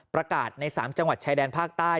ประกาศใน๓จังหวัดชายแดนภาคใต้